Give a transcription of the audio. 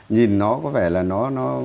nhìn nó có vẻ là nó